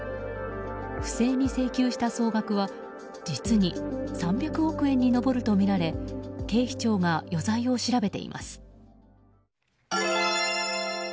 不正に請求した総額は実に３００億円に上るとみられ警視庁が余罪を調べています。